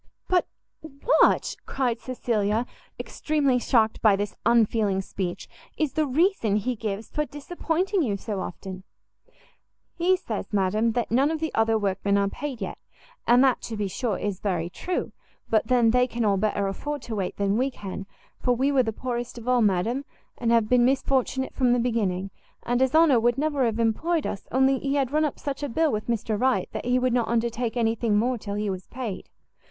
"But what," cried Cecilia, extremely shocked by this unfeeling speech, "is the reason he gives for disappointing you so often?" "He says, madam, that none of the other workmen are paid yet; and that, to be sure, is very true; but then they can all better afford to wait than we can, for we were the poorest of all, madam, and have been misfortunate from the beginning: and his honour would never have employed us, only he had run up such a bill with Mr Wright, that he would not undertake any thing more till he was paid.